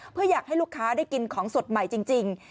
เพื่ออยากให้ลูกค้าได้กินของสดใหม่จริง